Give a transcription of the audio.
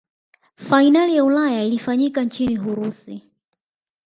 fainali ya ulaya ilifanyika nchini urusi